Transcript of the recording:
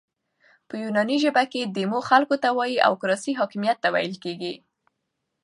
په یوناني ژبه کښي ديمو خلکو ته وایي او کراسي حاکمیت ته ویل کیږي.